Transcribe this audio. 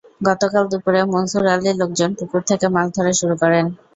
গতকাল দুপুরে মনসুর আলীর লোকজন পুকুর থেকে মাছ ধরা শুরু করেন।